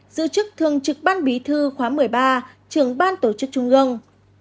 giữ chức thường trực ban bí thư khóa một mươi ba trưởng ban tổ chức trung ương